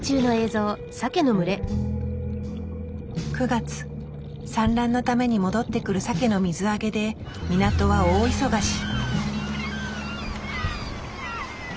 ９月産卵のために戻ってくるサケの水揚げで港は大忙し。